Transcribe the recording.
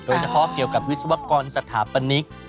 เพราะเกี่ยวกับวิศวกรณ์สถาปนิก